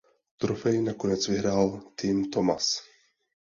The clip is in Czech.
Trofej nakonec vyhrál Tim Thomas.